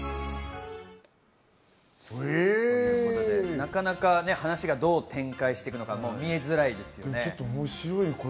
なかなか話がどう展開していくのか見えづらいですよね。